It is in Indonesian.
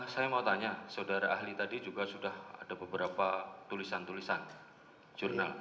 saya mau tanya saudara ahli tadi juga sudah ada beberapa tulisan tulisan jurnal